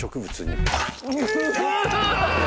うわ！